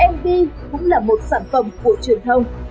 mv cũng là một sản phẩm của truyền thông